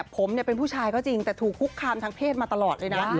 ผมเป็นผู้ชายก็จริงแต่ถูกคุกคามทางเพศมาตลอดเลยนะ